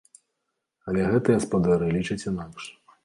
Але гэтыя спадары лічаць інакш.